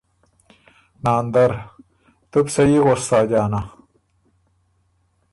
ناندر ـــ”تُو بو سهي غؤس ساجانا!